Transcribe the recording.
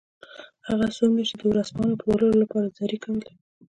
هغه څو میاشتې د ورځپاڼو پلورلو لپاره زارۍ کولې